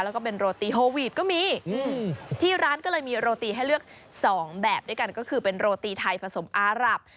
แล้วก็เป็นโรตีโฮวีดก็มีที่ร้านก็เลยมีโรตีให้เลือกสองแบบด้วยกันก็คือเป็นโรตีไทยผสมอารับ